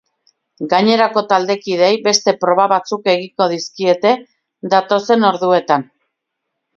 Gainerako taldekideei beste proba batzuk egingo dizkiete datozen orduetan.